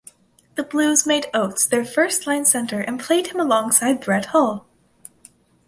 The Blues made Oates their first-line centre and played him alongside Brett Hull.